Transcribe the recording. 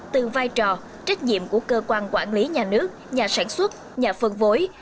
từ vai trò trách nhiệm của cơ quan quản lý nhà nước nhà sản xuất nhà phân phối